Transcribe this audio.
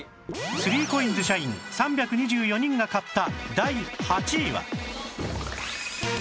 ３ＣＯＩＮＳ 社員３２４人が買った